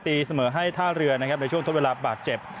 ตีเสมอให้ท่าเรือนะครับในช่วงทดเวลาบาดเจ็บ